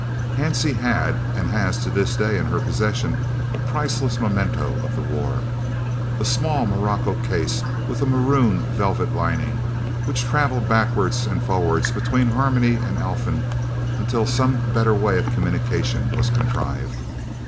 Hansie had and has to this day in her possession as a priceless memento of the war a small morocco case with a maroon velvet lining, which travelled backwards and forwards between Harmony and Alphen until some better way of communication was contrived.